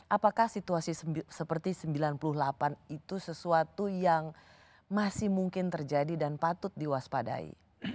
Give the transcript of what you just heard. apakah situasi seperti sembilan puluh delapan itu sesuatu yang masih mungkin terjadi dan patut diwaspadai